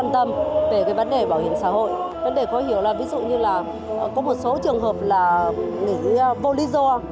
được lấy bảo hiểm xã hội đó không đó là những người nghĩ vô lý do